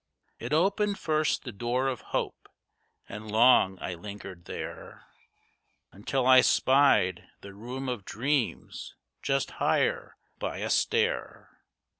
It opened first the door of Hope, and long I lingered there, Until I spied the room of Dreams, just higher by a stair.